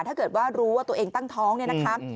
ถ้าเกิดว่ารู้ว่าตัวเองตั้งท้องเนี่ยนะคะ